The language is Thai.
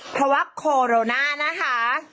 เพราะว่าโคโรนานะคะ